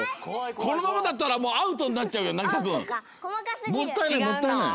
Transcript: このままだったらもうアウトになっちゃうよなぎさくん。もったいないもったいない。